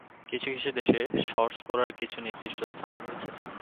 কিছু কিছু দেশে শর্টস পরার কিছু নির্দিষ্ট স্থান রয়েছে।